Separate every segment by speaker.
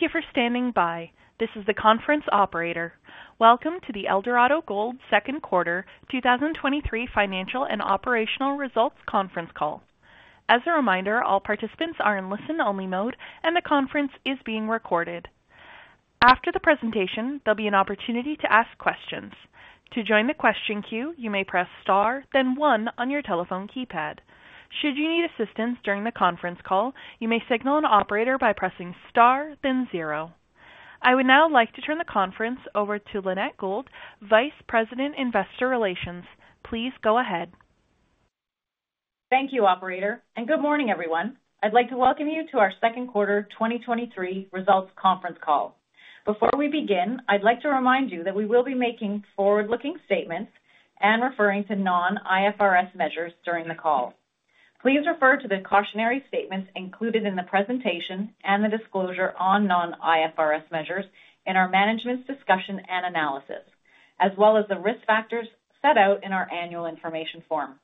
Speaker 1: Thank you for standing by. This is the conference operator. Welcome to the Eldorado Gold second quarter 2023 financial and operational results conference call. As a reminder, all participants are in listen-only mode, and the conference is being recorded. After the presentation, there'll be an opportunity to ask questions. To join the question queue, you may press star, then one on your telephone keypad. Should you need assistance during the conference call, you may signal an operator by pressing star, then zero. I would now like to turn the conference over to Lynette Gould, Vice President, Investor Relations. Please go ahead.
Speaker 2: Thank you, operator. Good morning, everyone. I'd like to welcome you to our second quarter 2023 results conference call. Before we begin, I'd like to remind you that we will be making forward-looking statements and referring to non-IFRS measures during the call. Please refer to the cautionary statements included in the presentation and the disclosure on non-IFRS measures in our management's discussion and analysis, as well as the risk factors set out in our annual information form.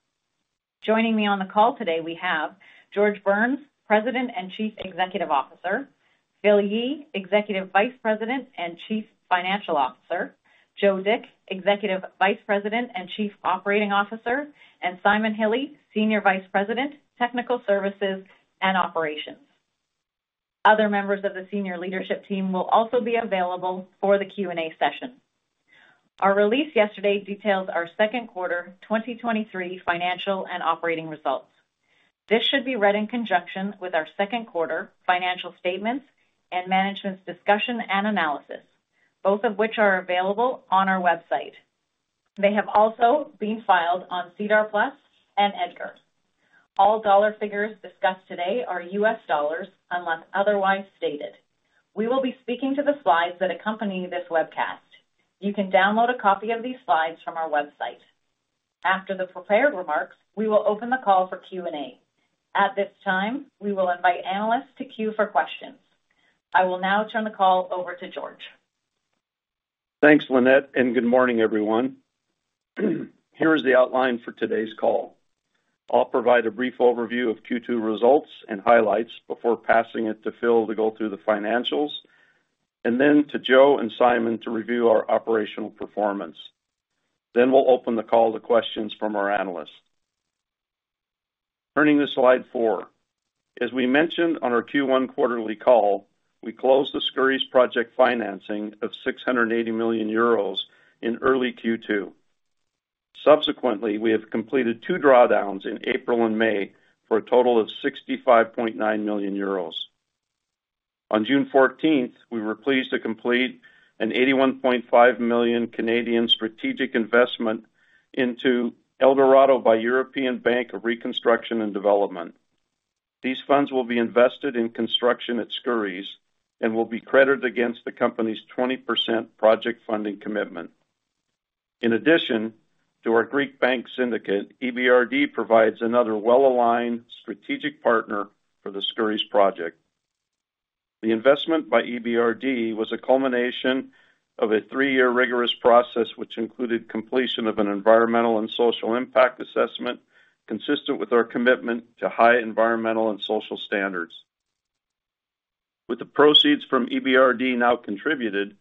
Speaker 2: Joining me on the call today, we have George Burns, President and Chief Executive Officer, Philip Yee, Executive Vice President and Chief Financial Officer, Joseph Dick, Executive Vice President and Chief Operating Officer, and Simon Hille, Senior Vice President, Technical Services and Operations. Other members of the senior leadership team will also be available for the Q&A session. Our release yesterday detailed our second quarter 2023 financial and operating results. This should be read in conjunction with our second quarter financial statements and management's discussion and analysis, both of which are available on our website. They have also been filed on SEDAR+ and EDGAR. All dollar figures discussed today are U.S. dollars, unless otherwise stated. We will be speaking to the slides that accompany this webcast. You can download a copy of these slides from our website. After the prepared remarks, we will open the call for Q&A. At this time, we will invite analysts to queue for questions. I will now turn the call over to George.
Speaker 3: Thanks, Lynette, good morning, everyone. Here is the outline for today's call. I'll provide a brief overview of Q2 results and highlights before passing it to Phil to go through the financials, then to Joe and Simon to review our operational performance. We'll open the call to questions from our analysts. Turning to slide four. As we mentioned on our Q1 quarterly call, we closed the Skouries project financing of 680 million euros in early Q2. Subsequently, we have completed two drawdowns in April and May for a total of 65.9 million euros. On June 14th, we were pleased to complete a 81.5 million strategic investment into Eldorado by European Bank for Reconstruction and Development. These funds will be invested in construction at Skouries and will be credited against the company's 20% project funding commitment. In addition to our Greek Bank syndicate, EBRD provides another well-aligned strategic partner for the Skouries project. The investment by EBRD was a culmination of a three-year rigorous process, which included completion of an environmental and social impact assessment, consistent with our commitment to high environmental and social standards. With the proceeds from EBRD now contributed,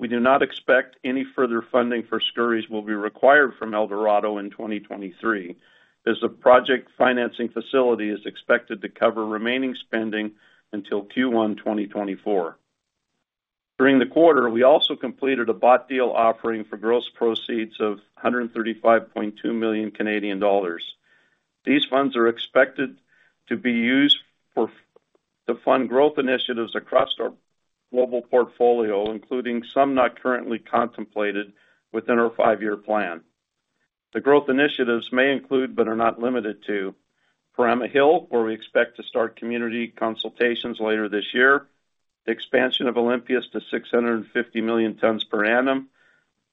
Speaker 3: we do not expect any further funding for Skouries will be required from Eldorado in 2023, as the project financing facility is expected to cover remaining spending until Q1 2024. During the quarter, we also completed a bought deal offering for gross proceeds of 135.2 million Canadian dollars. These funds are expected to be used to fund growth initiatives across our global portfolio, including some not currently contemplated within our five year plan. The growth initiatives may include, but are not limited to, Perama Hill, where we expect to start community consultations later this year, the expansion of Olympias to 650 million tons per annum,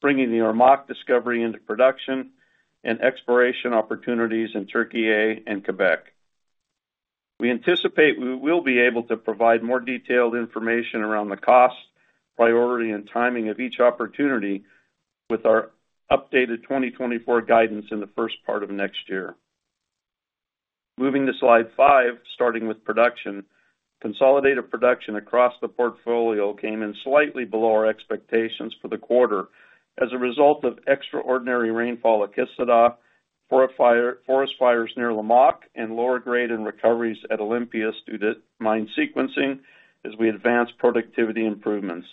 Speaker 3: bringing the Ormaque discovery into production, and exploration opportunities in Türkiye and Quebec. We anticipate we will be able to provide more detailed information around the cost, priority, and timing of each opportunity with our updated 2024 guidance in the first part of next year. Moving to slide five, starting with production. Consolidated production across the portfolio came in slightly below our expectations for the quarter as a result of extraordinary rainfall at Kışladağ, forest fires near Ormaque, and lower grade and recoveries at Olympias due to mine sequencing as we advance productivity improvements.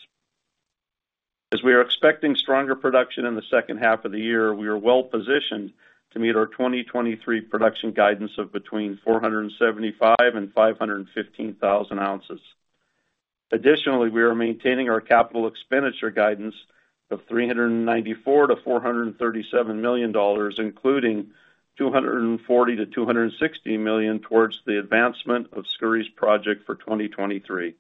Speaker 3: We are expecting stronger production in the second half of the year, we are well positioned to meet our 2023 production guidance of between 475,000 and 515,000 ounces. Additionally, we are maintaining our capital expenditure guidance of $394 million-$437 million, including $240 million-$260 million towards the advancement of Skouries project for 2023.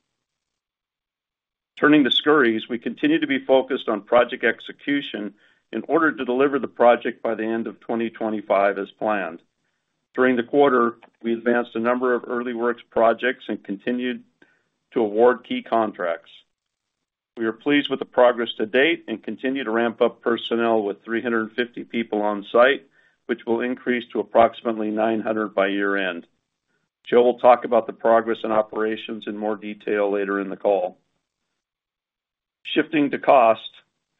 Speaker 3: Turning to Skouries, we continue to be focused on project execution in order to deliver the project by the end of 2025 as planned. During the quarter, we advanced a number of early works projects and continued to award key contracts. We are pleased with the progress to date and continue to ramp up personnel with 350 people on site, which will increase to approximately 900 by year end. Joe will talk about the progress and operations in more detail later in the call. Shifting to cost,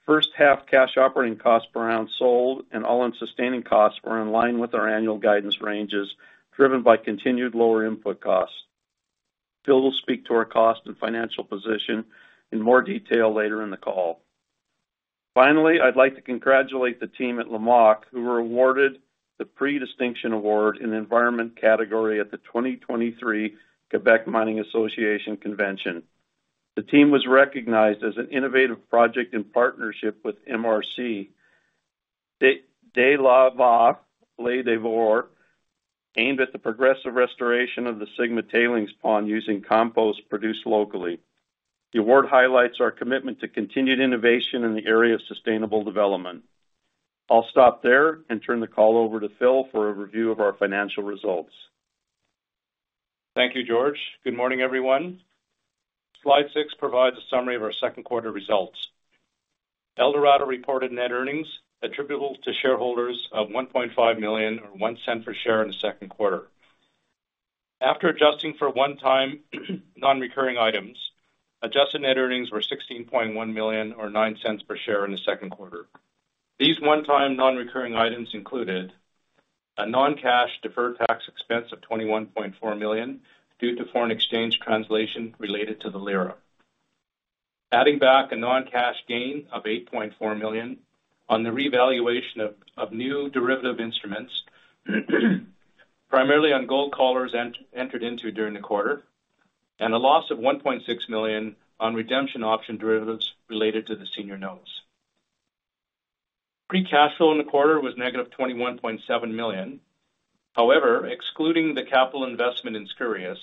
Speaker 3: first half cash operating costs per ounce sold and all in sustaining costs were in line with our annual guidance ranges, driven by continued lower input costs. Phil will speak to our cost and financial position in more detail later in the call. Finally, I'd like to congratulate the team at Lamaque, who were awarded the Pre-Distinction Award in the environment category at the 2023 Quebec Mining Association Convention. The team was recognized as an innovative project in partnership with MRC. De La Va, Les Devors, aimed at the progressive restoration of the Sigma tailings pond using compost produced locally. The award highlights our commitment to continued innovation in the area of sustainable development. I'll stop there and turn the call over to Phil for a review of our financial results.
Speaker 4: Thank you, George. Good morning, everyone. Slide six provides a summary of our second quarter results. Eldorado reported net earnings attributable to shareholders of 1.5 million or 0.01 per share in the second quarter. After adjusting for one-time nonrecurring items, adjusted net earnings were 16.1 million or 0.09 per share in the second quarter. These one-time nonrecurring items included: a non-cash deferred tax expense of 21.4 million due to foreign exchange translation related to the lira. Adding back a non cash gain of 8.4 million on the revaluation of new derivative instruments, primarily on gold collars entered into during the quarter, and a loss of 1.6 million on redemption option derivatives related to the senior notes. Free cash flow in the quarter was -21.7 million. However, excluding the capital investment in Skouries,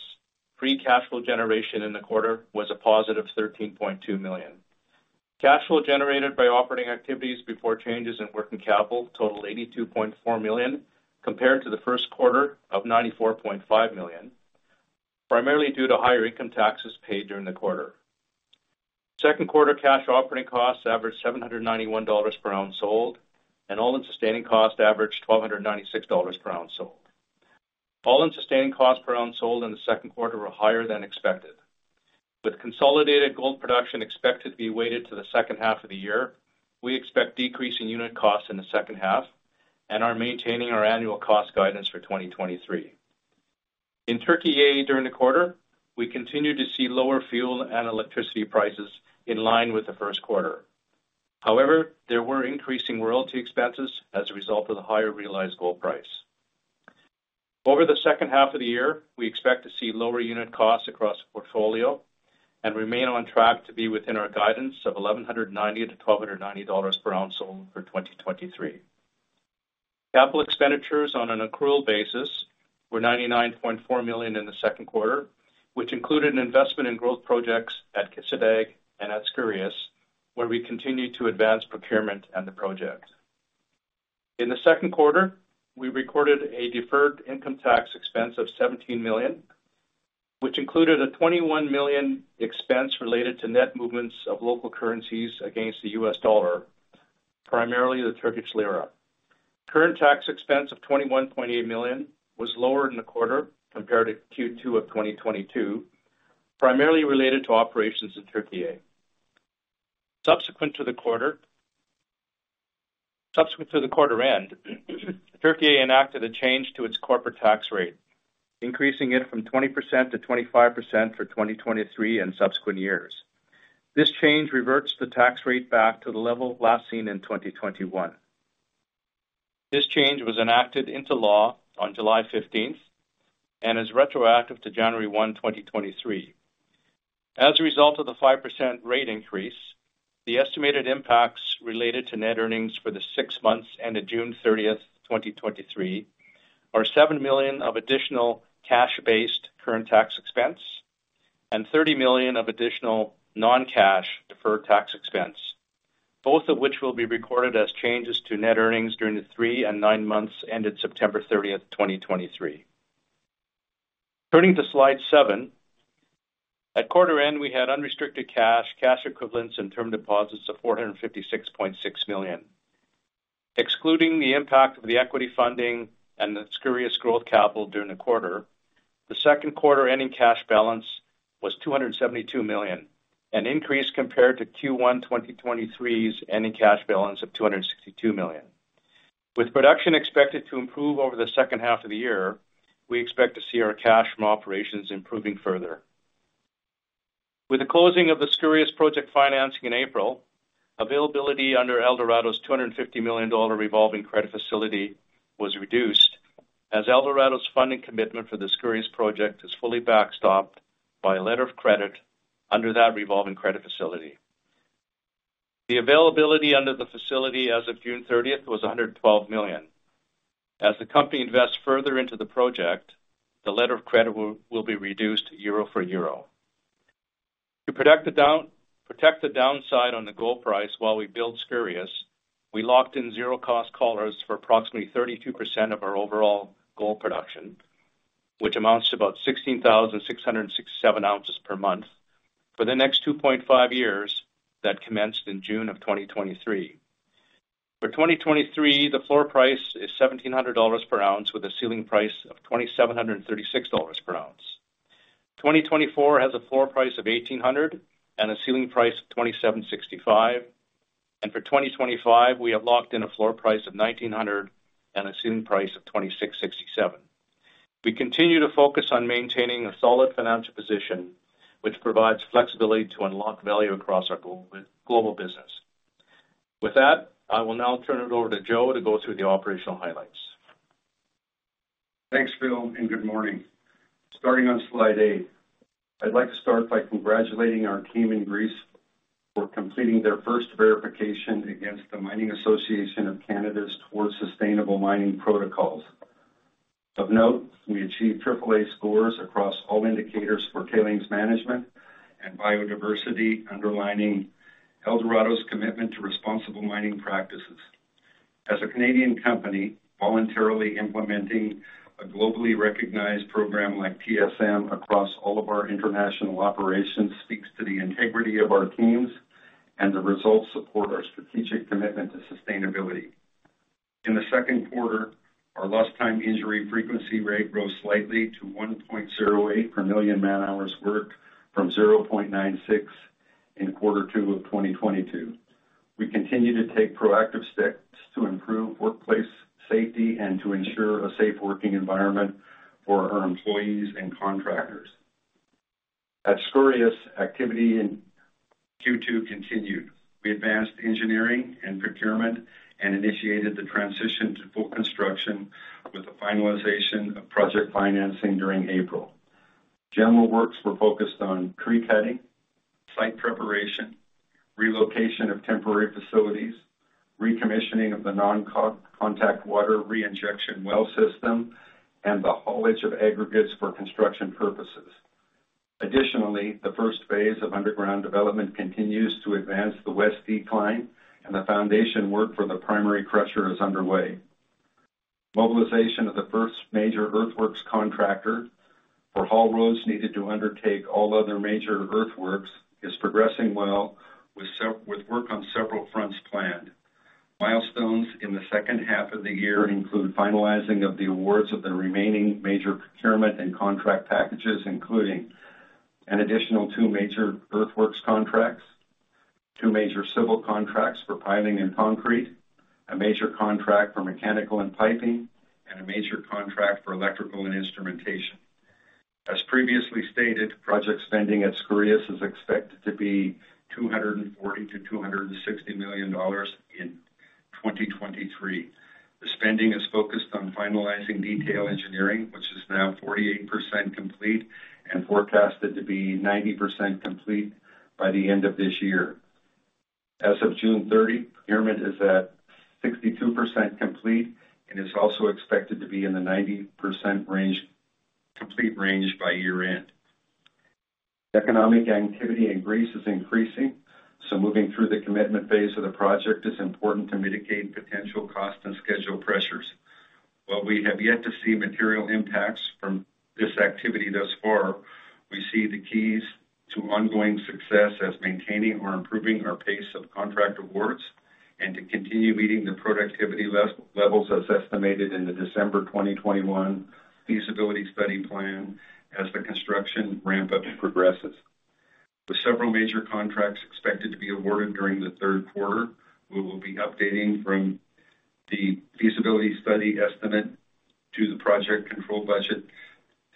Speaker 4: free cash flow generation in the quarter was a positive $13.2 million. Cash flow generated by operating activities before changes in working capital totaled $82.4 million, compared to the first quarter of $94.5 million, primarily due to higher income taxes paid during the quarter. Second quarter cash operating costs averaged $791 per ounce sold, and all-in sustaining costs averaged $1,296 per ounce sold. All-in sustaining costs per ounce sold in the second quarter were higher than expected. With consolidated gold production expected to be weighted to the second half of the year, we expect decreasing unit costs in the second half and are maintaining our annual cost guidance for 2023. In Türkiye, during the quarter, we continued to see lower fuel and electricity prices in line with the first quarter. There were increasing royalty expenses as a result of the higher realized gold price. Over the second half of the year, we expect to see lower unit costs across the portfolio and remain on track to be within our guidance of $1,190-$1,290 per ounce sold for 2023. Capital expenditures on an accrual basis were $99.4 million in the second quarter, which included an investment in growth projects at Kışladağ and at Skouries, where we continued to advance procurement and the project. In the second quarter, we recorded a deferred income tax expense of $17 million, which included a $21 million expense related to net movements of local currencies against the U.S. dollar, primarily the Turkish lira. Current tax expense of $21.8 million was lower in the quarter compared to Q2 of 2022, primarily related to operations in Türkiye. Subsequent to the quarter end, Türkiye enacted a change to its corporate tax rate, increasing it from 20%-25% for 2023 and subsequent years. This change reverts the tax rate back to the level last seen in 2021. This change was enacted into law on July 15th and is retroactive to January 1, 2023. As a result of the 5% rate increase, the estimated impacts related to net earnings for the six months ended June 30, 2023, are $7 million of additional cash-based current tax expense and $30 million of additional non-cash deferred tax expense, both of which will be recorded as changes to net earnings during the three and nine months ended September 30, 2023. Turning to slide seven, at quarter end, we had unrestricted cash, cash equivalents, and term deposits of $456.6 million. Excluding the impact of the equity funding and the Skouries growth capital during the quarter, the second quarter ending cash balance was $272 million, an increase compared to Q1 2023's ending cash balance of $262 million. With production expected to improve over the second half of the year, we expect to see our cash from operations improving further. With the closing of the Skouries project financing in April, availability under Eldorado's $250 million revolving credit facility was reduced, as Eldorado's funding commitment for the Skouries project is fully backstopped by a letter of credit under that revolving credit facility. The availability under the facility as of June 30th, was $112 million. As the company invests further into the project, the letter of credit will be reduced euro for euro. To protect the downside on the gold price while we build Skouries, we locked in zero cost collars for approximately 32% of our overall gold production. which amounts to about 16,667 ounces per month for the next 2.5 years that commenced in June 2023. For 2023, the floor price is $1,700 per ounce, with a ceiling price of $2,736 per ounce. 2024 has a floor price of $1,800 and a ceiling price of $2,765. For 2025, we have locked in a floor price of $1,900 and a ceiling price of $2,667. We continue to focus on maintaining a solid financial position, which provides flexibility to unlock value across our global business. With that, I will now turn it over to Joe to go through the operational highlights.
Speaker 5: Thanks, Phil. Good morning. Starting on slide eight. I'd like to start by congratulating our team in Greece for completing their first verification against the Mining Association of Canada's Towards Sustainable Mining Protocols. Of note, we achieved AAA scores across all indicators for tailings management and biodiversity, underlining Eldorado's commitment to responsible mining practices. As a Canadian company, voluntarily implementing a globally recognized program like TSM across all of our international operations, speaks to the integrity of our teams. The results support our strategic commitment to sustainability. In the second quarter, our Lost Time Injury Frequency Rate grew slightly to 1.08 per million man-hours worked from 0.96 in quarter two of 2022. We continue to take proactive steps to improve workplace safety and to ensure a safe working environment for our employees and contractors. At Skouries, activity in Q2 continued. We advanced engineering and procurement and initiated the transition to full construction with the finalization of project financing during April. General works were focused on creek cutting, site preparation, relocation of temporary facilities, recommissioning of the non-contact water reinjection well system, and the haulage of aggregates for construction purposes. Additionally, the first phase of underground development continues to advance the west decline, and the foundation work for the primary crusher is underway. Mobilization of the first major earthworks contractor for haul roads needed to undertake all other major earthworks is progressing well, with work on several fronts planned. Milestones in the second half of the year include finalizing of the awards of the remaining major procurement and contract packages, including an additional two major earthworks contracts, two major civil contracts for piling and concrete, a major contract for mechanical and piping, and a major contract for electrical and instrumentation. As previously stated, project spending at Skouries is expected to be $240 million-$260 million in 2023. The spending is focused on finalizing detail engineering, which is now 48% complete and forecasted to be 90% complete by the end of this year. As of June 30, procurement is at 62% complete and is also expected to be in the 90% range, complete range by year end. Economic activity in Greece is increasing, moving through the commitment phase of the project is important to mitigate potential cost and schedule pressures. While we have yet to see material impacts from this activity thus far, we see the keys to ongoing success as maintaining or improving our pace of contract awards, and to continue meeting the productivity levels as estimated in the December 2021 feasibility study plan as the construction ramp-up progresses. With several major contracts expected to be awarded during the third quarter, we will be updating from the feasibility study estimate to the project control budget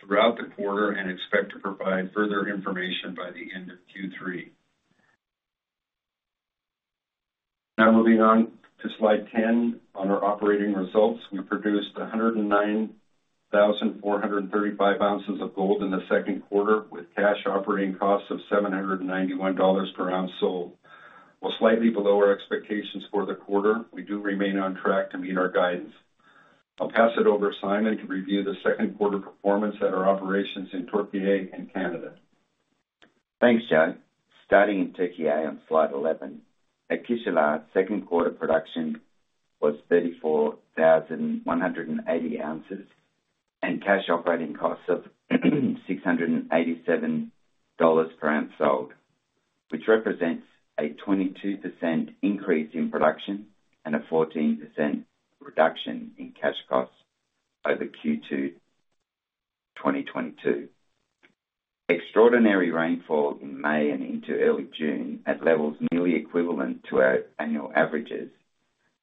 Speaker 5: throughout the quarter, and expect to provide further information by the end of Q3. Moving on to slide 10. On our operating results, we produced 109,435 ounces of gold in the second quarter, with cash operating costs of $791 per ounce sold. Slightly below our expectations for the quarter, we do remain on track to meet our guidance. I'll pass it over to Simon to review the second quarter performance at our operations in Türkiye and Canada.
Speaker 6: Thanks, Joe. Starting in Türkiye on slide 11. At Kışladağ, second quarter production was 34,180 ounces, and cash operating costs of $687 per ounce sold, which represents a 22% increase in production and a 14% reduction in cash costs over Q2 2022. Extraordinary rainfall in May and into early June, at levels nearly equivalent to our annual averages,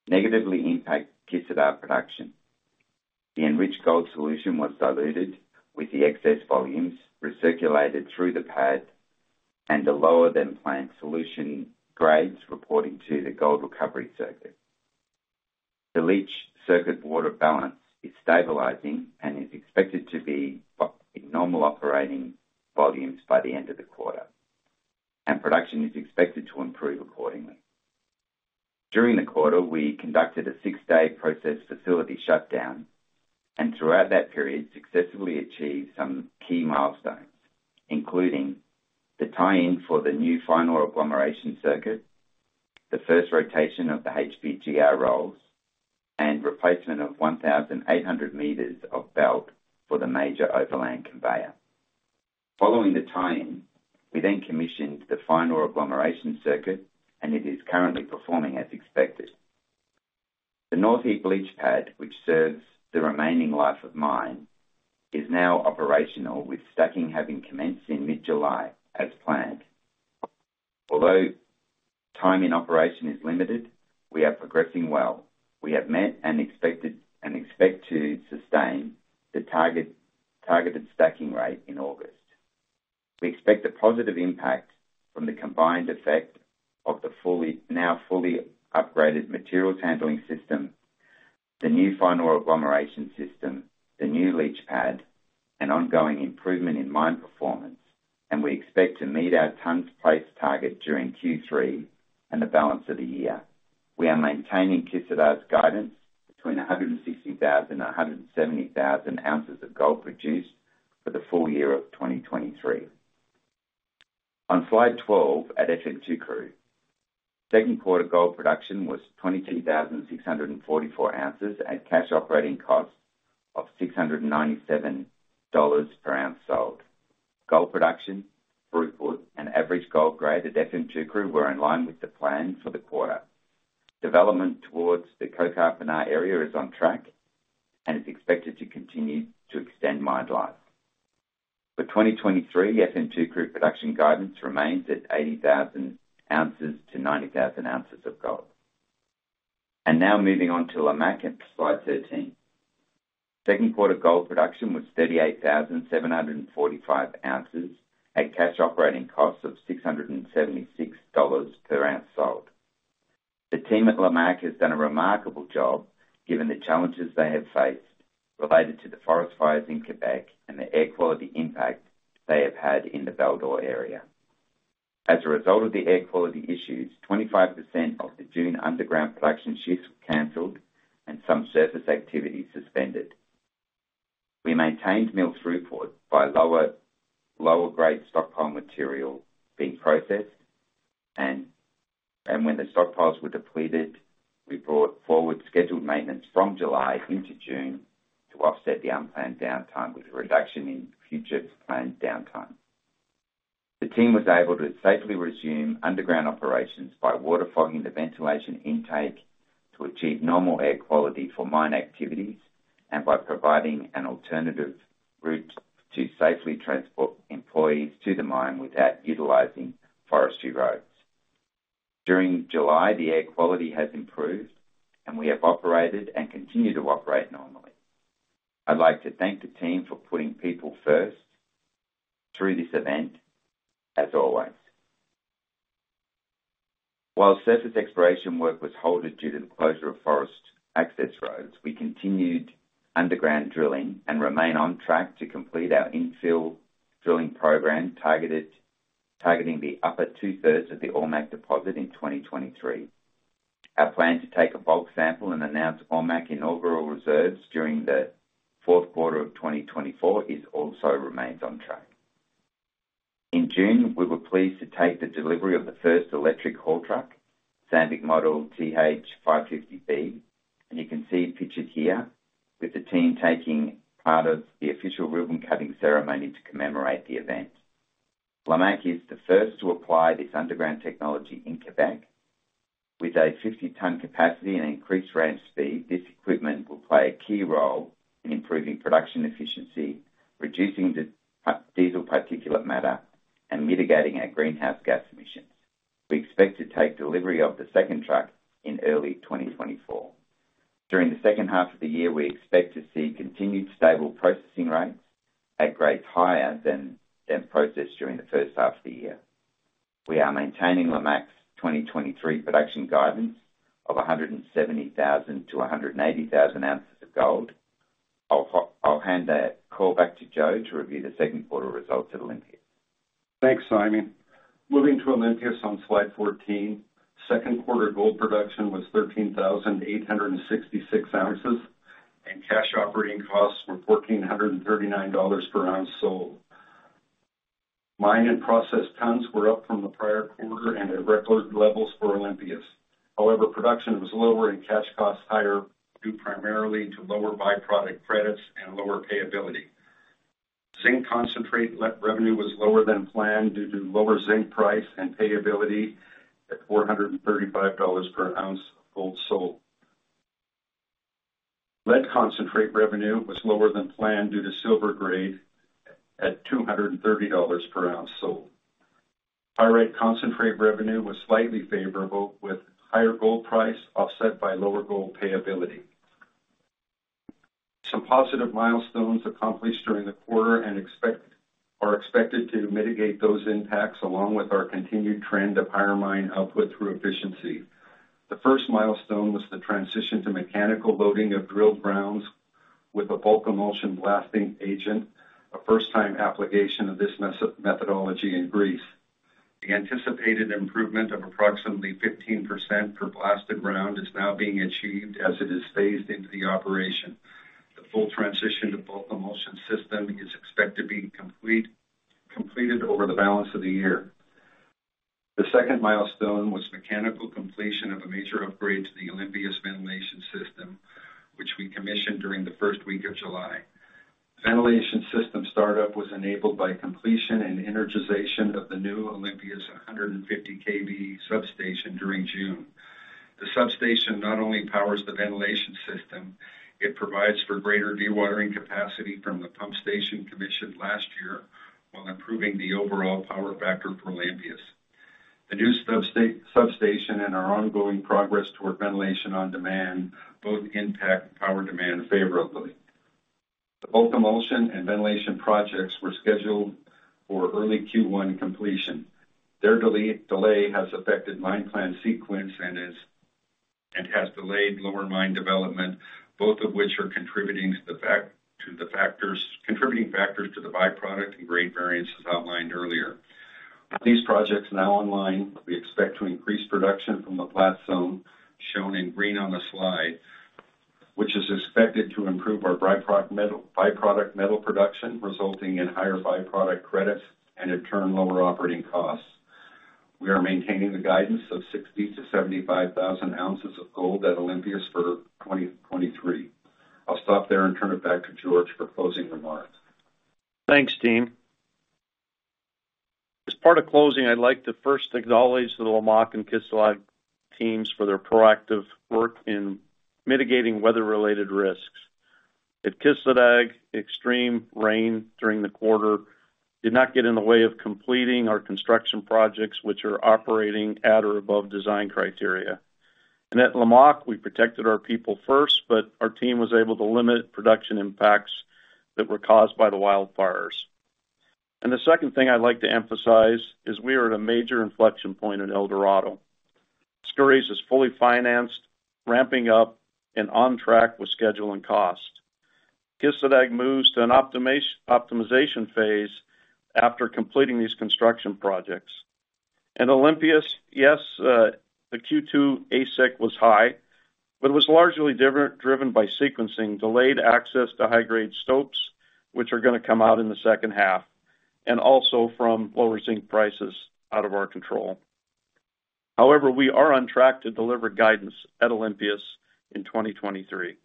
Speaker 6: negatively impacted Kışladağ production. The enriched gold solution was diluted, with the excess volumes recirculated through the pad and the lower than planned solution grades reporting to the gold recovery circuit. The leach circuit water balance is stabilizing and is expected to be in normal operating volumes by the end of the quarter, and production is expected to improve accordingly. During the quarter, we conducted a six day process facility shutdown, and throughout that period, successfully achieved some key milestones, including the tie in for the new final agglomeration circuit. The first rotation of the HPGR rolls and replacement of 1,800 meters of belt for the major overland conveyor. Following the tie-in, we then commissioned the final agglomeration circuit, and it is currently performing as expected. The North East leach pad, which serves the remaining life of mine, is now operational, with stacking having commenced in mid-July as planned. Although time in operation is limited, we are progressing well. We have met and expected, and expect to sustain the target stacking rate in August. We expect a positive impact from the combined effect of the fully, now fully upgraded materials handling system, the new final agglomeration system, the new leach pad, and ongoing improvement in mine performance, and we expect to meet our tons placed target during Q3 and the balance of the year. We are maintaining Kisladag's guidance between 160,000 and 170,000 ounces of gold produced for the full year of 2023. On slide 12, at Efemçukuru. Second quarter gold production was 22,644 ounces at cash operating costs of $697 per ounce sold. Gold production, throughput, and average gold grade at Efemçukuru were in line with the plan for the quarter. Development towards the Kokarpınar area is on track and is expected to continue to extend mine life. For 2023, Efemçukuru production guidance remains at 80,000 ounces to 90,000 ounces of gold. Now moving on to Lamaque at Slide 13. Second quarter gold production was 38,745 ounces at cash operating costs of $676 per ounce sold. The team at Lamaque has done a remarkable job given the challenges they have faced related to the forest fires in Quebec and the air quality impact they have had in the Val-d'Or area. As a result of the air quality issues, 25% of the June underground production shifts were canceled and some surface activities suspended. We maintained mill throughput by lower grade stockpile material being processed, and when the stockpiles were depleted, we brought forward scheduled maintenance from July into June to offset the unplanned downtime, with a reduction in future planned downtime. The team was able to safely resume underground operations by water fogging the ventilation intake to achieve normal air quality for mine activities and by providing an alternative route to safely transport employees to the mine without utilizing forestry roads. During July, the air quality has improved, and we have operated and continue to operate normally. I'd like to thank the team for putting people first through this event, as always. While surface exploration work was halted due to the closure of forest access roads, we continued underground drilling and remain on track to complete our infill drilling program, targeting the upper two-thirds of the AurMac deposit in 2023. Our plan to take a bulk sample and announce AurMac inaugural reserves during the fourth quarter of 2024 is also remains on track. In June, we were pleased to take the delivery of the first electric haul truck, Sandvik TH550B, and you can see it pictured here with the team taking part of the official ribbon cutting ceremony to commemorate the event. Lamaque is the first to apply this underground technology in Quebec. With a 50 ton capacity and increased range speed, this equipment will play a key role in improving production efficiency, reducing the diesel particulate matter, and mitigating our greenhouse gas emissions. We expect to take delivery of the second truck in early 2024. During the second half of the year, we expect to see continued stable processing rates at grades higher than processed during the first half of the year. We are maintaining Lamaque's 2023 production guidance of 170,000-180,000 ounces of gold. I'll hand the call back to Joe to review the second quarter results at Olympias.
Speaker 5: Thanks, Simon. Moving to Olympias on Slide 14. Second quarter gold production was 13,866 ounces, and cash operating costs were $1,439 per ounce sold. Mine and processed tons were up from the prior quarter and at record levels for Olympias. However, production was lower and cash costs higher, due primarily to lower byproduct credits and lower payability. Zinc concentrate revenue was lower than planned due to lower zinc price and payability at $435 per ounce of gold sold. Lead concentrate revenue was lower than planned due to silver grade at $230 per ounce sold. High-grade concentrate revenue was slightly favorable, with higher gold price offset by lower gold payability. Some positive milestones accomplished during the quarter are expected to mitigate those impacts, along with our continued trend of higher mine output through efficiency. The first milestone was the transition to mechanical loading of drilled grounds with a bulk emulsion blasting agent, a first time application of this methodology in Greece. The anticipated improvement of approximately 15% per blasted ground is now being achieved as it is phased into the operation. The full transition to bulk emulsion system is expected to be completed over the balance of the year. The second milestone was mechanical completion of a major upgrade to the Olympias ventilation system, which we commissioned during the first week of July. Ventilation system startup was enabled by completion and energization of the new Olympias 150 kV substation during June. The substation not only powers the ventilation system, it provides for greater dewatering capacity from the pump station commissioned last year, while improving the overall power factor for Olympias. The new substation and our ongoing progress toward Ventilation on Demand, both impact power demand favorably. Both emulsion and ventilation projects were scheduled for early Q1 completion. Their delay has affected mine plan sequence and has delayed lower mine development, both of which are contributing factors to the byproduct and grade variances outlined earlier. With these projects now online, we expect to increase production from the flat zone, shown in green on the slide, which is expected to improve our byproduct metal production, resulting in higher byproduct credits and, in turn, lower operating costs.
Speaker 7: We are maintaining the guidance of 60,000-75,000 ounces of gold at Olympias for 2023. I'll stop there and turn it back to George for closing remarks.
Speaker 3: Thanks, team. As part of closing, I'd like to first acknowledge the Lamaque and Kisladag teams for their proactive work in mitigating weather related risks. At Kisladag, extreme rain during the quarter did not get in the way of completing our construction projects, which are operating at or above design criteria. At Lamaque, we protected our people first, but our team was able to limit production impacts that were caused by the wildfires. The second thing I'd like to emphasize is we are at a major inflection point in Eldorado. Skouries is fully financed, ramping up, and on track with schedule and cost. Kisladag moves to an optimization phase after completing these construction projects. Olympias, yes, the Q2 AISC was high, but it was largely driven by sequencing, delayed access to high grade stopes, which are going to come out in the second half, and also from lower zinc prices out of our control. However, we are on track to deliver guidance at Olympias in 2023.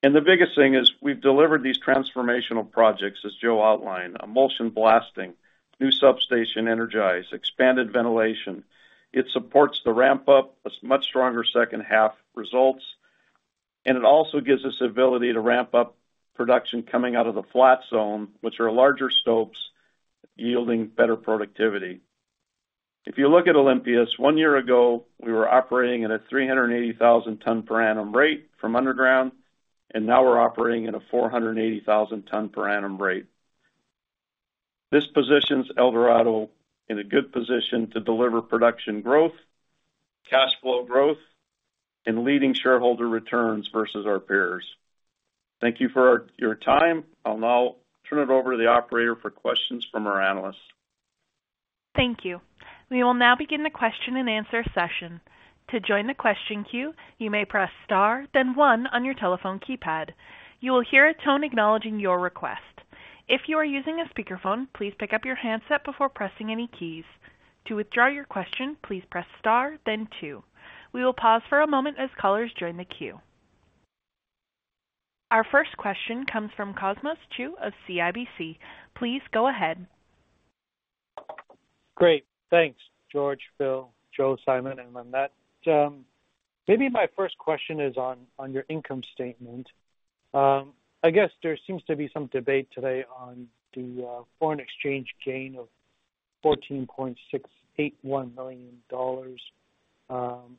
Speaker 3: The biggest thing is we've delivered these transformational projects, as Joe outlined, emulsion blasting, new substation energized, expanded ventilation. It supports the ramp up, a much stronger second half results, and it also gives us ability to ramp up production coming out of the flat zone, which are larger stopes yielding better productivity. If you look at Olympias, one year ago, we were operating at a 380,000 ton per annum rate from underground, and now we're operating at a 480,000 ton per annum rate. This positions Eldorado in a good position to deliver production growth, cash flow growth, and leading shareholder returns versus our peers. Thank you for your time. I'll now turn it over to the operator for questions from our analysts.
Speaker 1: Thank you. We will now begin the question-and-answer session. To join the question queue, you may press star, then one on your telephone keypad. You will hear a tone acknowledging your request. If you are using a speakerphone, please pick up your handset before pressing any keys. To withdraw your question, please press star, then two. We will pause for a moment as callers join the queue. Our first question comes from Cosmos Chu of CIBC. Please go ahead.
Speaker 8: Great. Thanks, George, Phil, Joe, Simon, and Lynette. Maybe my first question is on, on your income statement. I guess there seems to be some debate today on the foreign exchange gain of $14.681 million.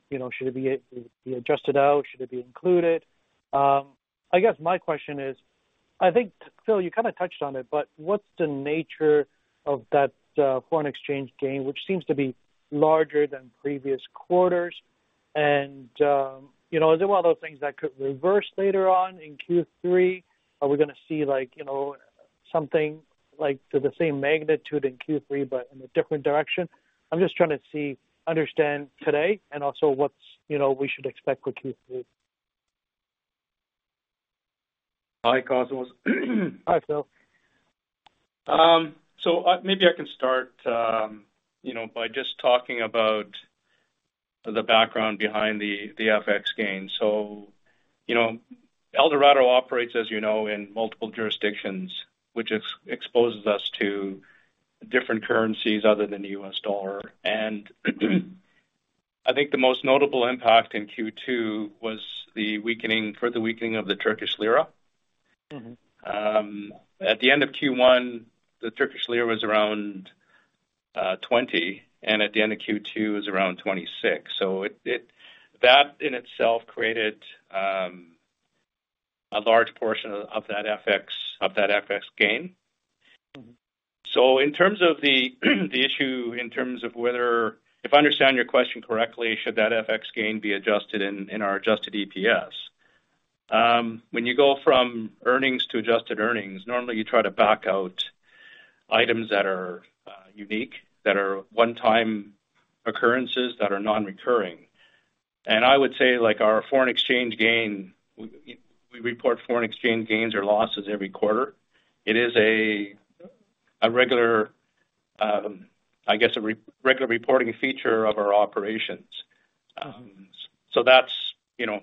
Speaker 8: You know, should it be adjusted out? Should it be included? I guess my question is, I think, Phil, you kind of touched on it, but what's the nature of that foreign exchange gain, which seems to be larger than previous quarters? You know, is it one of those things that could reverse later on in Q3? Are we going to see like, you know, something like to the same magnitude in Q3, but in a different direction? I'm just trying to see, understand today and also what's, you know, we should expect for Q3.
Speaker 4: Hi, Cosmos.
Speaker 8: Hi, Phil.
Speaker 4: Maybe I can start, you know, by just talking about the background behind the FX gain. You know, Eldorado operates, as you know, in multiple jurisdictions, which exposes us to different currencies other than the US dollar. I think the most notable impact in Q2 was the weakening, further weakening of the Turkish lira.
Speaker 8: Mm-hmm.
Speaker 4: At the end of Q1, the Turkish lira was around 20, and at the end of Q2, it was around 26. That in itself created a large portion of that FX, of that FX gain.
Speaker 8: Mm-hmm.
Speaker 4: In terms of the issue, if I understand your question correctly, should that FX gain be adjusted in our adjusted EPS? When you go from earnings to adjusted earnings, normally you try to back out items that are unique, that are one-time occurrences, that are non-recurring. I would say, like, our foreign exchange gain, we report foreign exchange gains or losses every quarter. It is a regular, I guess, a regular reporting feature of our operations. That's, you know,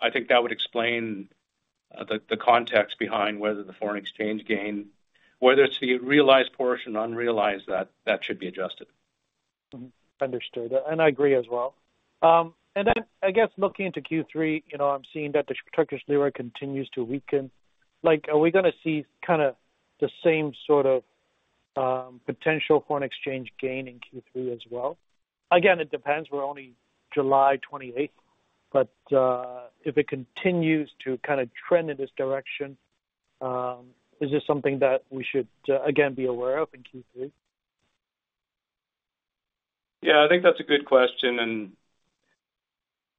Speaker 4: I think that would explain, the context behind whether the foreign exchange gain, whether it's the realized portion, unrealized, that should be adjusted.
Speaker 8: Mm-hmm. Understood. I agree as well. Then, I guess, looking into Q3, you know, I'm seeing that the Turkish lira continues to weaken. Like, are we gonna see kind of the same sort of potential foreign exchange gain in Q3 as well? Again, it depends. We're only July 28th. If it continues to kind of trend in this direction, is this something that we should again be aware of in Q3?
Speaker 4: Yeah, I think that's a good question, and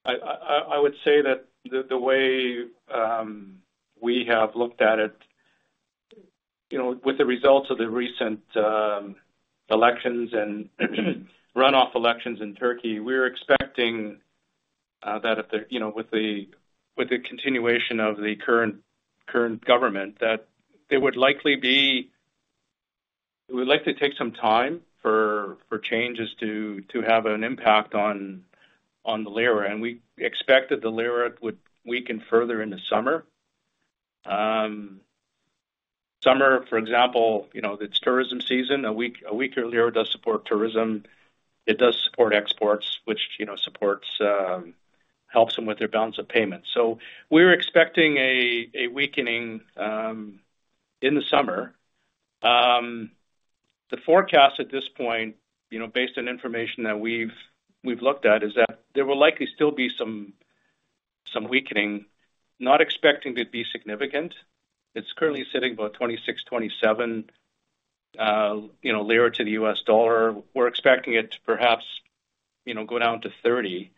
Speaker 4: I, I, I would say that the, the way we have looked at it, you know, with the results of the recent elections and runoff elections in Turkey, we're expecting that if the, you know, with the, with the continuation of the current, current government, that they would likely be. It would likely take some time for, for changes to, to have an impact on, on the lira, and we expect that the lira would weaken further in the summer. Summer, for example, you know, it's tourism season. A weak, a weaker lira does support tourism. It does support exports, which, you know, supports, helps them with their balance of payments. So we're expecting a weakening in the summer. The forecast at this point, you know, based on information that we've, we've looked at, is that there will likely still be some, some weakening, not expecting it to be significant. It's currently sitting about 26, 27, you know, lira to the U.S. dollar. We're expecting it to perhaps, you know, go down to 30,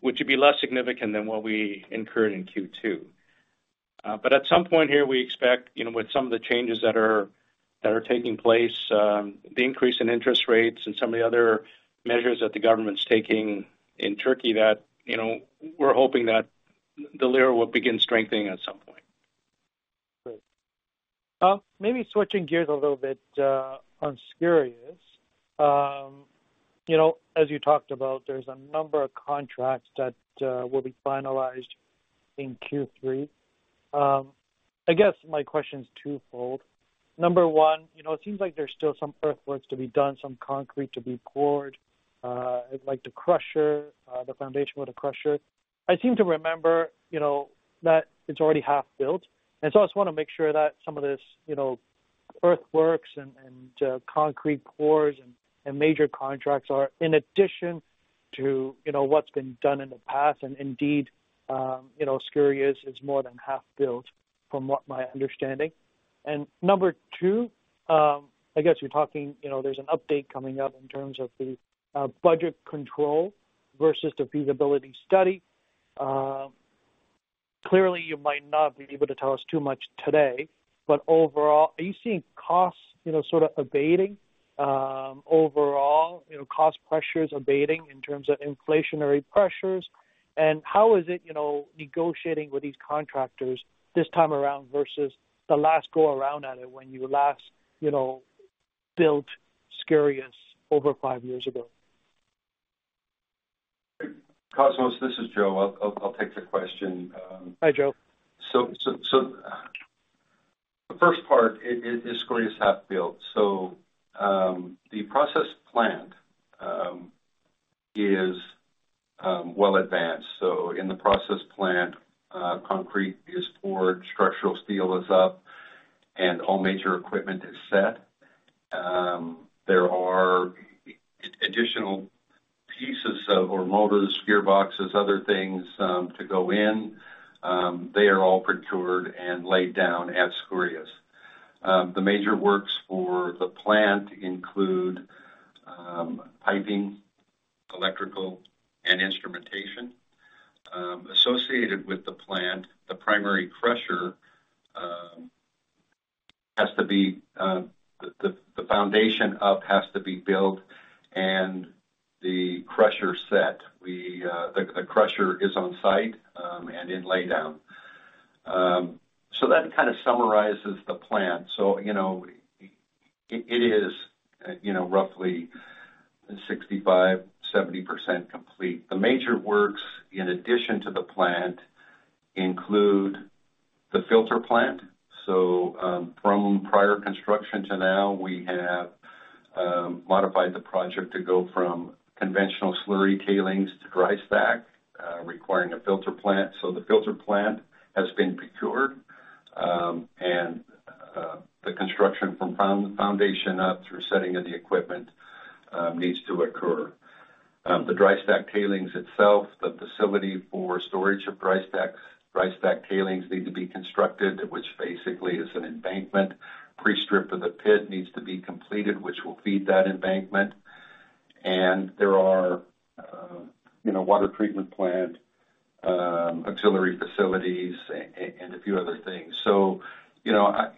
Speaker 4: which would be less significant than what we incurred in Q2. At some point here, we expect, you know, with some of the changes that are, that are taking place, the increase in interest rates and some of the other measures that the government's taking in Turkey, that, you know, we're hoping that the lira will begin strengthening at some point.
Speaker 8: Great. Maybe switching gears a little bit on Skouries. You know, as you talked about, there's a number of contracts that will be finalized in Q3. I guess my question is twofold. Number one, you know, it seems like there's still some earthworks to be done, some concrete to be poured. Like the crusher, the foundation for the crusher. I seem to remember, you know, that it's already half built, so I just wanna make sure that some of this, you know, earthworks and, and concrete pours and, and major contracts are in addition to, you know, what's been done in the past, and indeed, you know, Skouries is more than half built, from what my understanding. Number two, I guess you're talking, you know, there's an update coming up in terms of the budget control versus the feasibility study. Clearly, you might not be able to tell us too much today, but overall, are you seeing costs, you know, sort of abating, overall, you know, cost pressures abating in terms of inflationary pressures? How is it, you know, negotiating with these contractors this time around versus the last go around at it when you last, you know, built Skouries over five years ago?
Speaker 5: Cosmos, this is Joe. I'll, I'll, I'll take the question.
Speaker 8: Hi, Joe.
Speaker 5: The first part, is Skouries half built? The process plant, is well advanced. In the process plant, concrete is poured, structural steel is up, and all major equipment is set. There are additional pieces of, or motors, gearboxes, other things, to go in. They are all procured and laid down at Skouries. The major works for the plant include, piping, electrical, and instrumentation. Associated with the plant, the primary crusher, has to be, the foundation up has to be built and the crusher set. The crusher is on site, and in laydown. That kind of summarizes the plant. You know, it is, you know, roughly 65%-70% complete. The major works, in addition to the plant, include the filter plant. From prior construction to now, we have modified the project to go from conventional slurry tailings to dry stack, requiring a filter plant. The filter plant has been procured, and the construction from foundation up through setting of the equipment needs to occur. The dry stack tailings itself, the facility for storage of dry stack, dry stack tailings need to be constructed, which basically is an embankment. Pre-strip of the pit needs to be completed, which will feed that embankment. There are, you know, water treatment plant, auxiliary facilities and a few other things. You know,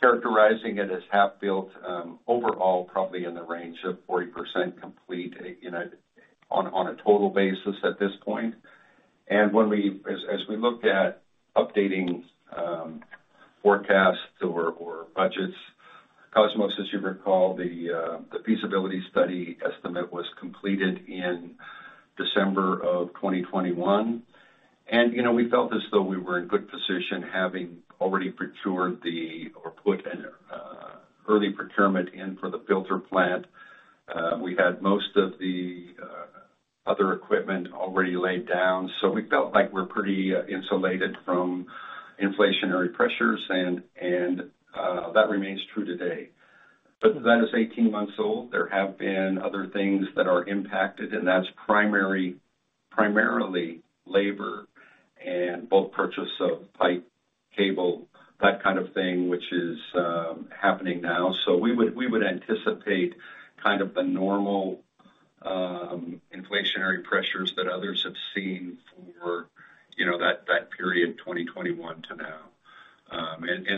Speaker 5: characterizing it as half built, overall, probably in the range of 40% complete, you know, on a total basis at this point. When we, as we looked at updating forecasts or budgets, Cosmos, as you recall, the feasibility study estimate was completed in December of 2021. You know, we felt as though we were in good position, having already procured the, or put an early procurement in for the filter plant. We had most of the other equipment already laid down, so we felt like we're pretty insulated from inflationary pressures, and that remains true today. That is 18 months old. There have been other things that are impacted, and that's primarily labor and both purchase of pipe, cable, that kind of thing, which is happening now. We would, we would anticipate kind of the normal inflationary pressures that others have seen for, you know, that, that period, 2021 to now.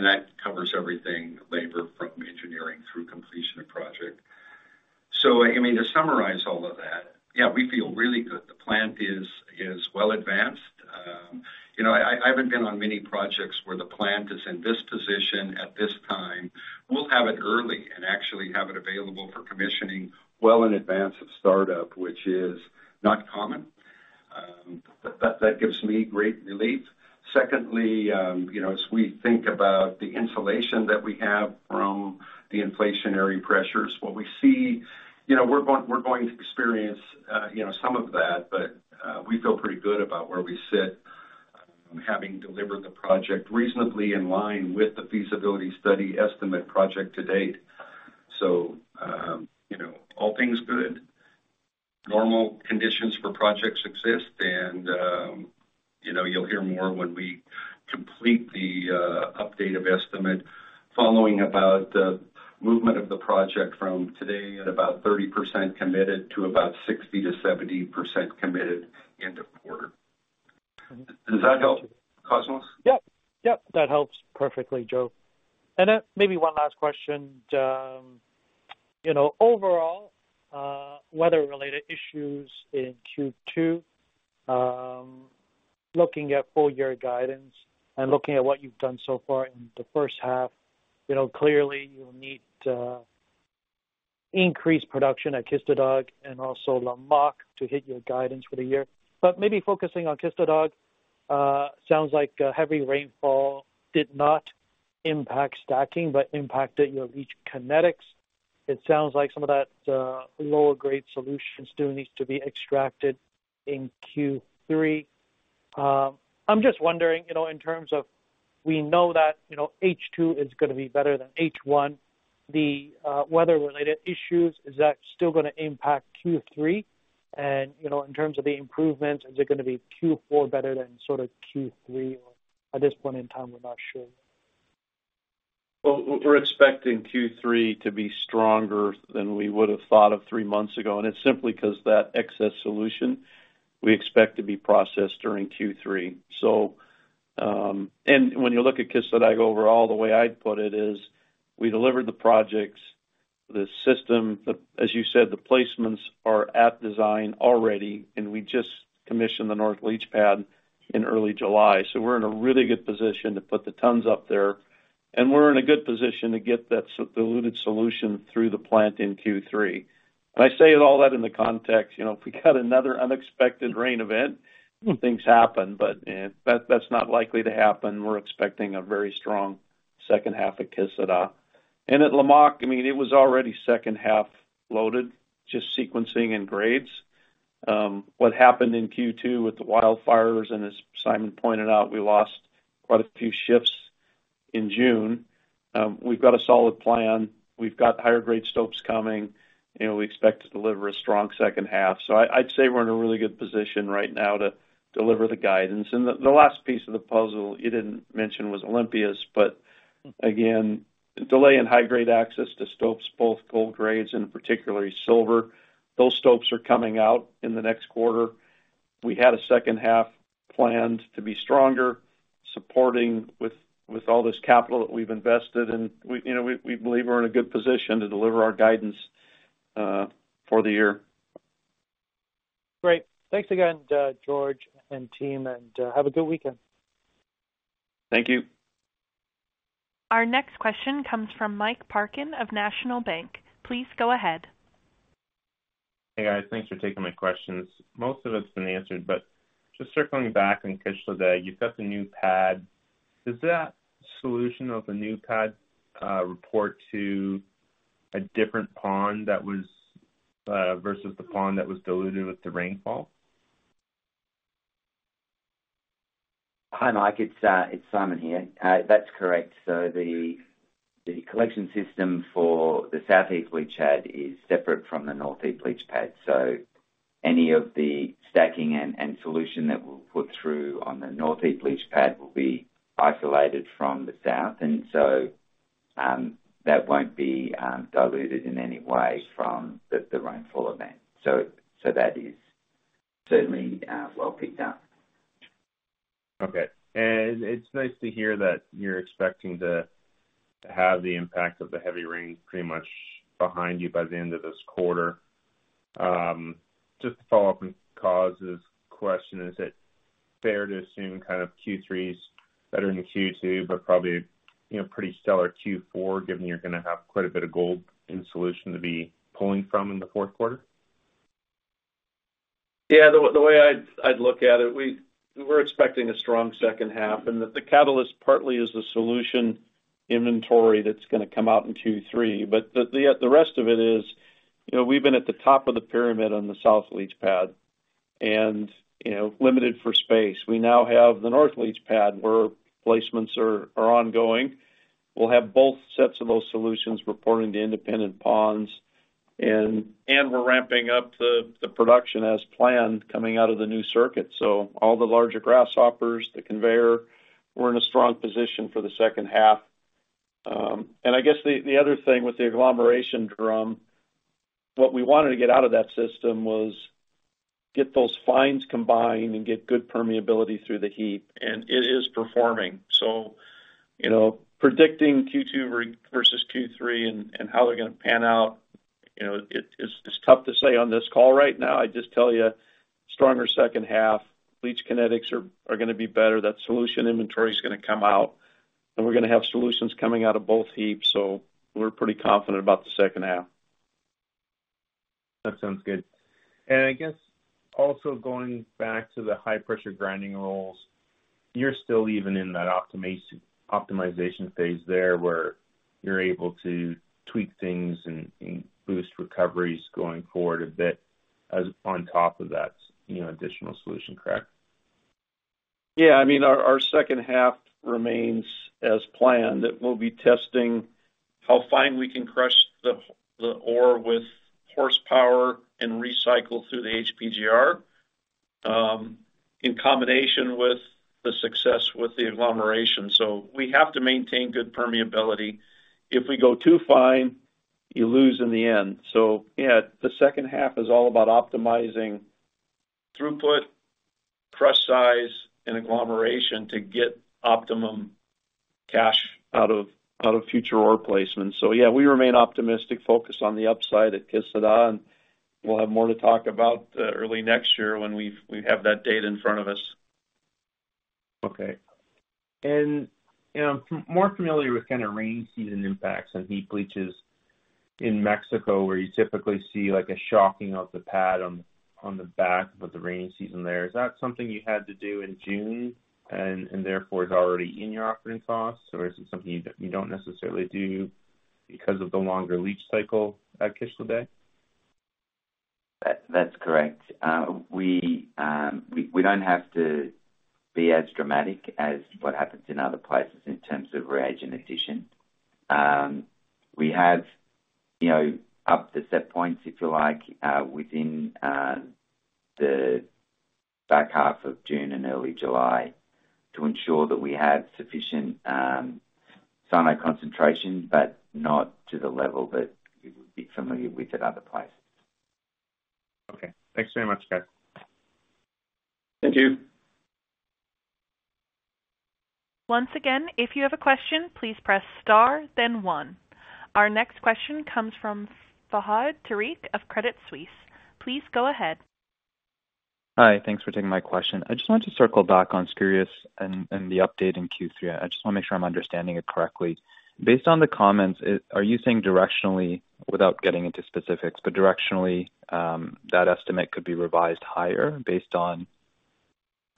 Speaker 5: That covers everything labor, from engineering through completion of project. I mean, to summarize all of that, yeah, we feel really good. The plant is, is well advanced. You know, I, I haven't been on many projects where the plant is in this position at this time. We'll have it early and actually have it available for commissioning well in advance of startup, which is not common. That, that gives me great relief. Secondly, you know, as we think about the insulation that we have from the inflationary pressures, what we see, you know, we're going, we're going to experience, you know, some of that, but we feel pretty good about where we sit, having delivered the project reasonably in line with the feasibility study estimate project to date. You know, all things good. Normal conditions for projects exist, and, you know, you'll hear more when we complete the update of estimate following about the movement of the project from today at about 30% committed to about 60%-70% committed end of quarter. Does that help, Cosmos?
Speaker 8: Yep. Yep, that helps perfectly, Joe. Maybe one last question. You know, overall, weather related issues in Q2, looking at full year guidance and looking at what you've done so far in the first half, you know, clearly you'll need to increase production at Kışladağ and also Lamaque to hit your guidance for the year. Focusing on Kışladağ, sounds like heavy rainfall did not impact stacking, but impacted your leach kinetics. It sounds like some of that lower grade solution still needs to be extracted in Q3. I'm just wondering, you know, in terms of we know that, you know, H2 is gonna be better than H1, the weather-related issues, is that still gonna impact Q3? You know, in terms of the improvements, is it gonna be Q4 better than sort of Q3, or at this point in time, we're not sure?
Speaker 5: Well, we're expecting Q3 to be stronger than we would've thought of three months ago, and it's simply because that excess solution we expect to be processed during Q3. When you look at Kışladağ overall, the way I'd put it is, we delivered the projects, the system, the, as you said, the placements are at design already, and we just commissioned the North East leach pad in early July. We're in a really good position to put the tons up there, and we're in a good position to get that diluted solution through the plant in Q3. I say all that in the context, you know, if we got another unexpected rain event, things happen, but that, that's not likely to happen. We're expecting a very strong second half at Kışladağ. At Lamaque, I mean, it was already second half loaded, just sequencing and grades. What happened in Q2 with the wildfires, and as Simon pointed out, we lost quite a few shifts in June. We've got a solid plan. We've got higher grade stopes coming. You know, we expect to deliver a strong second half. I, I'd say we're in a really good position right now to deliver the guidance. The, the last piece of the puzzle you didn't mention was Olympias, again, delay in high grade access to stopes, both gold grades and particularly silver, those stopes are coming out in the next quarter. We had a second half planned to be stronger, supporting with, with all this capital that we've invested, and we, you know, we, we believe we're in a good position to deliver our guidance for the year.
Speaker 8: Great. Thanks again, George and team, and have a good weekend.
Speaker 5: Thank you.
Speaker 1: Our next question comes from Mike Parkin of National Bank. Please go ahead.
Speaker 7: Hey, guys. Thanks for taking my questions. Most of it's been answered, but just circling back on Kışladağ, you've got the new pad. Does that solution of the new pad report to a different pond that was versus the pond that was diluted with the rainfall?
Speaker 6: Hi, Mike, it's, it's Simon here. That's correct. The, the collection system for the southeast leach pad is separate from the northeast leach pad. Any of the stacking and, and solution that we'll put through on the northeast leach pad will be isolated from the south. That won't be, diluted in any way from the, the rainfall event. That is certainly, well picked up.
Speaker 7: Okay. It's nice to hear that you're expecting to have the impact of the heavy rain pretty much behind you by the end of this quarter. Just to follow up on Cosmo's question, is it fair to assume kind of Q3's better than Q2, but probably, you know, pretty stellar Q4, given you're gonna have quite a bit of gold in solution to be pulling from in the fourth quarter?
Speaker 3: Yeah, the way I'd, I'd look at it, we're expecting a strong second half, and the catalyst partly is the solution inventory that's gonna come out in Q3. The rest of it is, you know, we've been at the top of the pyramid on the south leach pad and, you know, limited for space. We now have the north leach pad, where placements are ongoing. We'll have both sets of those solutions reporting to independent ponds, and we're ramping up the production as planned, coming out of the new circuit. All the larger grasshoppers, the conveyor, we're in a strong position for the second half. I guess the, the other thing with the agglomeration drum, what we wanted to get out of that system was get those fines combined and get good permeability through the heap, and it is performing. You know, predicting Q2 re- versus Q3 and, and how they're gonna pan out, you know, it, it's, it's tough to say on this call right now. I'd just tell you, stronger second half, leach kinetics are, are gonna be better. That solution inventory is gonna come out, and we're gonna have solutions coming out of both heaps, so we're pretty confident about the second half.
Speaker 7: That sounds good. I guess also going back to the high pressure grinding rolls, you're still even in that optimization phase there, where you're able to tweak things and, and boost recoveries going forward a bit, as on top of that, you know, additional solution, correct?
Speaker 3: Yeah. I mean, our, our second half remains as planned. We'll be testing how fine we can crush the ore with horsepower and recycle through the HPGR in combination with the success with the agglomeration. We have to maintain good permeability. If we go too fine, you lose in the end. Yeah, the second half is all about optimizing throughput, crush size, and agglomeration to get optimum cash out of future ore placements. Yeah, we remain optimistic, focused on the upside at Kışladağ, and we'll have more to talk about early next year when we have that data in front of us.
Speaker 7: Okay. You know, I'm more familiar with kind of rain season impacts on heap leaches in Mexico, where you typically see, like, a shocking of the pad on, on the back of the rainy season there. Is that something you had to do in June and, and therefore, is already in your operating costs? Or is it something you, you don't necessarily do because of the longer leach cycle at Kışladağ?
Speaker 6: That, that's correct. We, we don't have to be as dramatic as what happens in other places in terms of reagent addition. We have, you know, upped the set points, if you like, within the back half of June and early July to ensure that we had sufficient cyano concentrations, but not to the level that you would be familiar with at other places.
Speaker 7: Okay, thanks very much, guys.
Speaker 3: Thank you.
Speaker 1: Once again, if you have a question, please press star then one. Our next question comes from Fahad Tariq of Credit Suisse. Please go ahead.
Speaker 9: Hi. Thanks for taking my question. I just wanted to circle back on Skouries and, and the update in Q3. I just wanna make sure I'm understanding it correctly. Based on the comments, are you saying directionally, without getting into specifics, but directionally, that estimate could be revised higher based on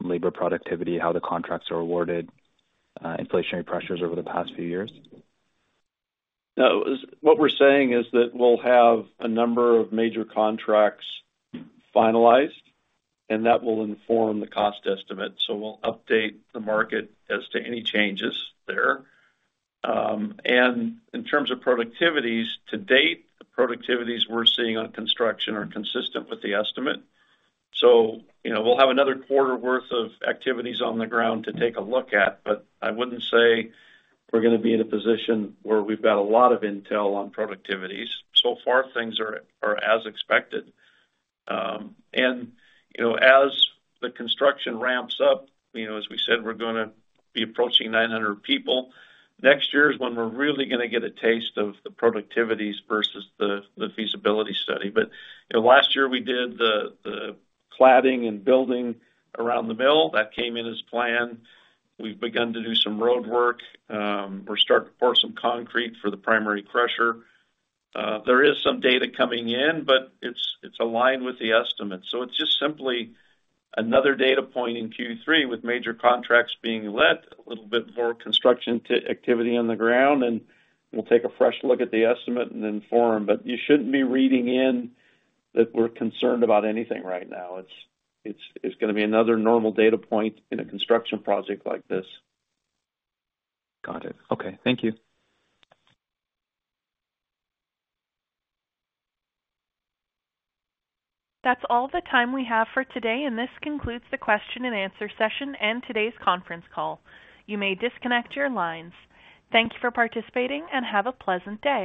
Speaker 9: labor productivity, how the contracts are awarded, inflationary pressures over the past few years?
Speaker 3: No, what we're saying is that we'll have a number of major contracts finalized, and that will inform the cost estimate, so we'll update the market as to any changes there. In terms of productivities, to date, the productivities we're seeing on construction are consistent with the estimate. You know, we'll have another quarter worth of activities on the ground to take a look at, but I wouldn't say we're gonna be in a position where we've got a lot of intel on productivities. So far, things are, are as expected. You know, as the construction ramps up, you know, as we said, we're gonna be approaching 900 people. Next year is when we're really gonna get a taste of the productivities versus the, the feasibility study. You know, last year we did the, the cladding and building around the mill. That came in as planned. We've begun to do some roadwork. We're starting to pour some concrete for the primary crusher. There is some data coming in, but it's, it's aligned with the estimate. It's just simply another data point in Q3 with major contracts being let, a little bit more construction activity on the ground, and we'll take a fresh look at the estimate and inform. You shouldn't be reading in that we're concerned about anything right now. It's, it's, it's gonna be another normal data point in a construction project like this.
Speaker 9: Got it. Okay, thank you.
Speaker 1: That's all the time we have for today, and this concludes the question and answer session and today's conference call. You may disconnect your lines. Thank you for participating, and have a pleasant day.